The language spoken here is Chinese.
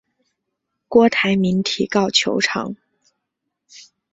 郭台铭提告求偿。